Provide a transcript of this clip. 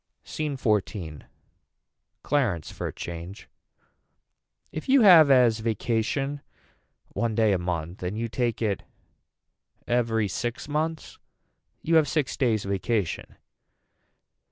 SCENE XIV. Clarence for a change. If you have as vacation one day a month and you take it every six months you have six days vacation.